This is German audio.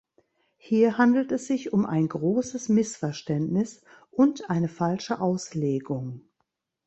Hier handelt es sich um ein großes Missverständnis und eine falsche Auslegung.